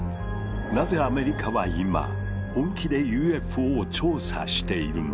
なぜアメリカは今本気でＵＦＯを調査しているのか？